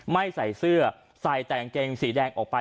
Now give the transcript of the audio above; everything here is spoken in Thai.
ไม่ใส่เสื้อใส่แต่กางเกงสีแดงออกไป